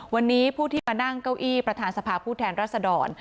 วันนี้ผู้ที่มานั่งเก้าอี้ประธานสภาพผู้แทนรัศดร